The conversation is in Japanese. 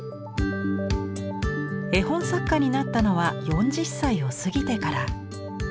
絵本作家になったのは４０歳を過ぎてから。